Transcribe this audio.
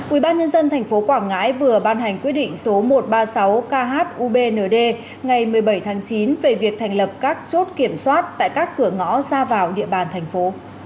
ubnd tp quảng ngãi vừa ban hành quyết định số một trăm ba mươi sáu khubnd ngày một mươi bảy tháng chín về việc thành lập các chốt kiểm soát tại các cửa ngõ ra vào địa bàn thành phố